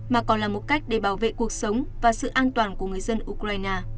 mà còn là một cách để bảo vệ cuộc sống và sự an toàn của người dân ukraine